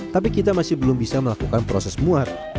tapi kita masih belum bisa melakukan proses muat